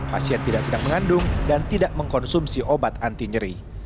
pasien tidak sedang mengandung dan tidak mengkonsumsi obat anti nyeri